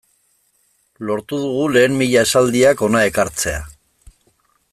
Lortu dugu lehen mila esaldiak hona ekartzea.